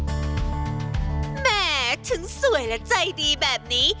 ก็จะเชิญชวนน้ำชมทางบ้านที่